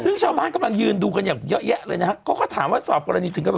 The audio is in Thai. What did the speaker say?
ซึ่งชาวบ้านกำลังยืนดูกันอย่างเยอะแยะเลยนะฮะเขาก็ถามว่าสอบกรณีถึงก็แบบ